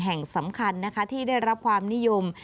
แห่งสำคัญนะคะที่ได้รับความนิยม